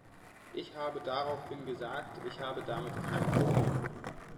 Ich habe daraufhin gesagt, ich habe damit kein Problem.